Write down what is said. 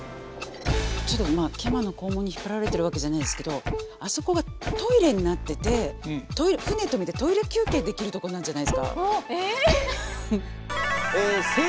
ちょっと毛馬のこうもんに引っ張られてるわけじゃないですけどあそこがトイレになってて舟止めてトイレ休憩できるとこなんじゃないですか。え？